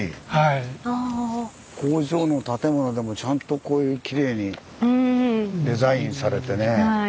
工場の建物でもちゃんとこういうきれいにデザインされてね。